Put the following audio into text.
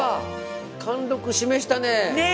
貫禄示したねえ。